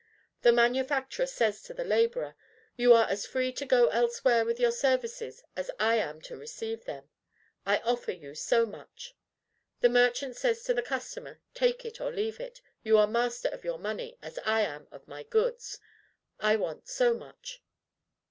The manufacturer says to the laborer, "You are as free to go elsewhere with your services as I am to receive them. I offer you so much." The merchant says to the customer, "Take it or leave it; you are master of your money, as I am of my goods. I want so much."